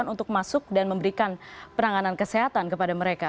bagi tenaga kesehatan untuk masuk dan memberikan penanganan kesehatan kepada mereka